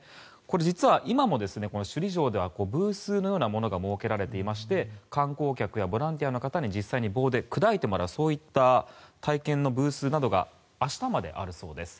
実は今も首里城ではブースのようなものが設けられて観光客やボランティアの方に実際に棒で砕いてもらうそういった体験のブースなどが明日まであるそうです。